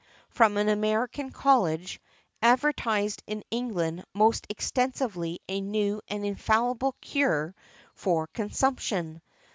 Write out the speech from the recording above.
from an American College, advertised in England most extensively a new and infallible cure for consumption.